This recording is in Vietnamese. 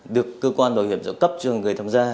được cơ quan bảo hiểm dẫn cấp cho người tham gia